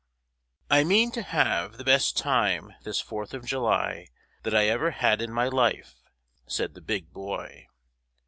"I MEAN to have the best time this Fourth of July that I ever had in my life," said the Big Boy.